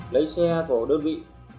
lấy xe của đơn vị